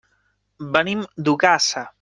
Venim d'Ogassa.